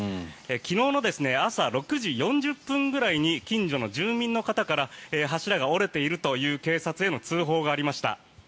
昨日の朝６時４０分くらいに近所の住民の方から柱が折れているという警察への通報がありました。